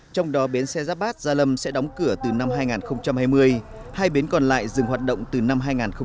trong đó bến xe giáp bát gia lâm sẽ đóng cửa từ năm hai nghìn hai mươi hai bến còn lại dừng hoạt động từ năm hai nghìn hai mươi một